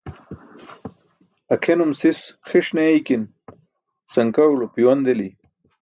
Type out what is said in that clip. Akʰenum sis xiṣ ne eykin, sankaẏulo piwan deli.